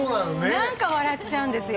何か笑っちゃうんですよ